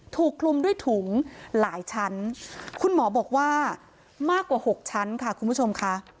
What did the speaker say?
ถูกคลุมด้วยถุงหลายชั้นคุณหมอบอกว่ามากกว่าหกชั้นค่ะคุณผู้ชมค่ะ